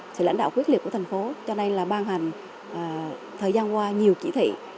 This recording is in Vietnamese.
sự lãnh đạo quyết liệt của thành phố cho nên là ban hành thời gian qua nhiều chỉ thị